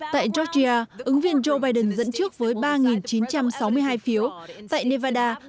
tại georgia ứng viên joe biden dẫn trước với ba chín trăm sáu mươi hai phiếu tại nevada